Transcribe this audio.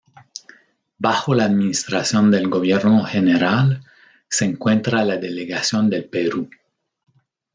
Bajo la administración del gobierno general se encuentra la delegación del Perú.